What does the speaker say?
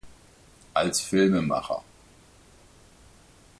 Als Filmemacher